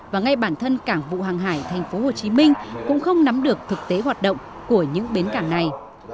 và ngay bản thân cảng vụ hàng hải tp hcm cũng không nắm được thực tế hoạt động của những bến cảng này